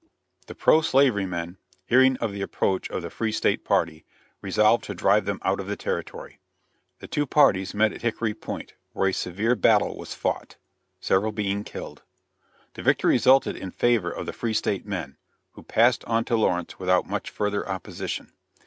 The pro slavery men, hearing of the approach of the Free State party, resolved to drive them out of the territory. The two parties met at Hickory Point, where a severe battle was fought, several being killed; the victory resulted in favor of the Free State men, who passed on to Lawrence without much further opposition.